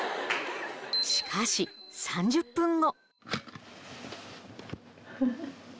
しかし、３０分後。